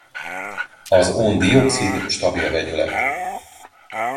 Az ón-dioxid stabil vegyület.